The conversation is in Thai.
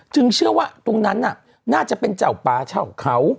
เชื่อว่าตรงนั้นน่าจะเป็นเจ้าป่าเช่าเขา